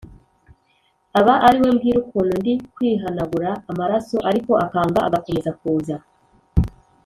aba ari we mbwira ukuntu ndi kwihanagura amaraso ariko akanga agakomeza kuza.